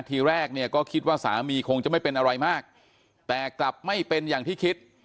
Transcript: ทีแรกเนี่ยก็คิดว่าสามีคงจะไม่เป็นอะไรมากแต่กลับไม่เป็นอย่างที่คิด